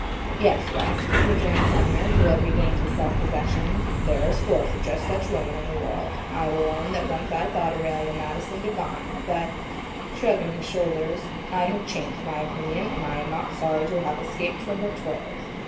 "Yes, West," rejoined Sumner who had regained his self possession, "there are scores of just such women in the world: I will own that once I thought Aurelia Madison divine, but," shrugging his shoulders, "I have changed my opinion, and I am not sorry to have escaped from her toils.